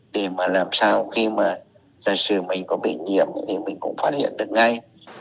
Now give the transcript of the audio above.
để mà làm sao khi mà giả sử mình có bị nhiễm thì mình cũng phát hiện được ngay